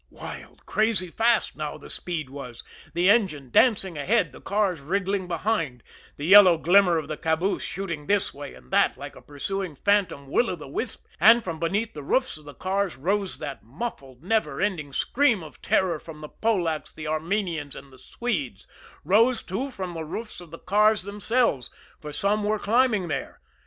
Wild, crazy fast now, the speed was; the engine dancing ahead; the cars wriggling behind; the yellow glimmer of the caboose shooting this way and that like a pursuing phantom will o' the wisp; and from beneath the roofs of the cars rose that muffled, never ending scream of terror from the Polacks, the Armenians and the Swedes rose, too, from the roofs of the cars themselves, for some were climbing there.